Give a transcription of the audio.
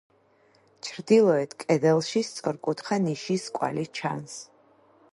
ჩრდილოეთ კედელში სწორკუთხა ნიშის კვალი ჩანს.